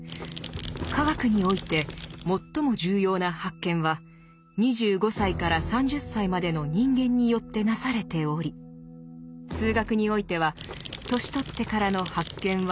「化学において最も重要な発見は２５歳から３０歳までの人間によってなされ」ており「数学においては年取ってからの発見は極めて稀」。